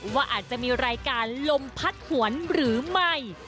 ว่าอาจจะมีรายการลมพัดหวนหรือไม่